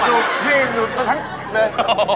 จูบนี่อย่างนี้จูบต้นทั้งเลย